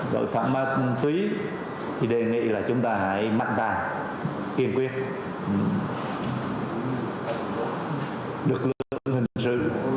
tội phạm ma tùy thì đề nghị là chúng ta hãy mạnh tài kiên quyết lực lượng hình sự